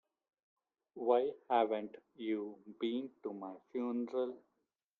Why haven't you been to my funeral?